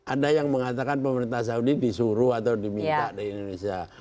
ada yang mengatakan pemerintah saudi disuruh atau diminta dari indonesia